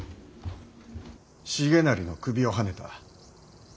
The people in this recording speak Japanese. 重成の首をはねた。